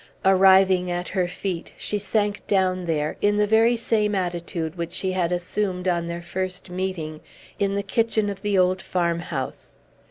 Arriving at her feet, she sank down there, in the very same attitude which she had assumed on their first meeting, in the kitchen of the old farmhouse.